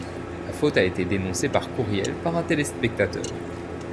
La faute a été dénoncée par courriel par un téléspectateur.